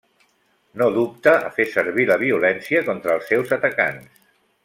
No dubta a fer servir la violència contra els seus atacants.